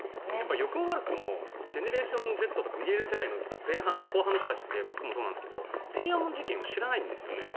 よくも悪くもジェネレーションＺとかミレニアル世代の後半の人たちって僕もそうなんですけど天安門事件を知らないんですよね。